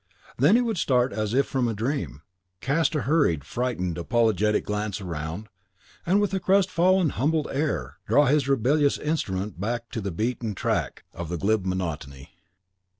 Then he would start as if from a dream, cast a hurried, frightened, apologetic glance around, and, with a crestfallen, humbled air, draw his rebellious instrument back to the beaten track of the glib monotony.